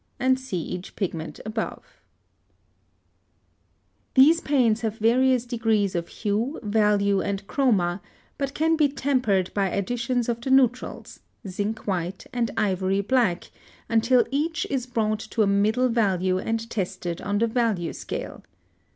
and Sienna. (105) These paints have various degrees of hue, value, and chroma, but can be tempered by additions of the neutrals, zinc white and ivory black, until each is brought to a middle value and tested on the value scale.